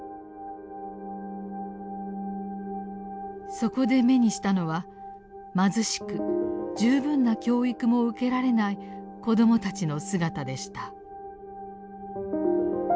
そこで目にしたのは貧しく十分な教育も受けられない子どもたちの姿でした。